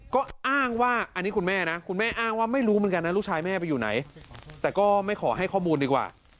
ก็อ้างว่าอันนี้คุณแม่นะคุณแม่อ้างว่าไม่รู้เหมือนกันนะลูกชายแม่ไปอยู่ไหนแต่ก็ไม่ขอให้ข้อมูลดีกว่า